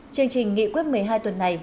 chương trình nghị quyết một mươi hai tuần này